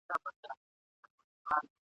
موږ پوهیږو چي پر تاسي څه تیریږي !.